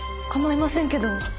構いませんけど。